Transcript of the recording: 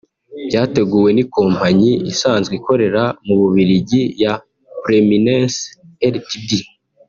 byateguwe n’ikompanyi isanzwe ikorera mu Bubiligi ya Preeminence Ltd